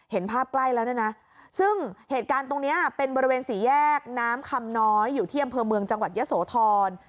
เห็นภาพใกล้แล้วเนี่ยนะซึ่งเหตุการณ์ตรงนี้เป็นบริเวณสี่แยกน้ำคำน้อยอยู่ที่อำเภอเมืองจังหวัดยะโสธร